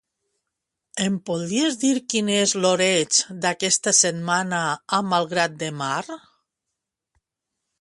Em podries dir quin és l'oreig d'aquesta setmana a Malgrat de Mar?